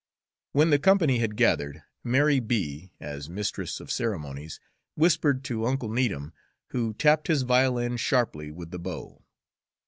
When the company had gathered, Mary B., as mistress of ceremonies, whispered to Uncle Needham, who tapped his violin sharply with the bow.